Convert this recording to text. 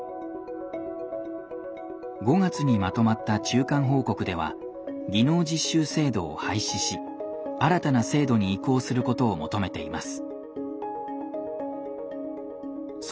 ５月にまとまった中間報告では技能実習制度を廃止し新たな制度に移行することを求めています。